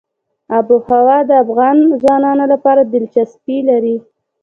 آب وهوا د افغان ځوانانو لپاره دلچسپي لري.